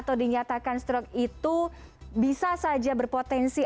atau dinyatakan stroke itu bisa saja berpotensi